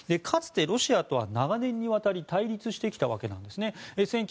かつてロシアとは長年にわたり対立してきたわけですね。